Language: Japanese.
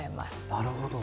なるほど。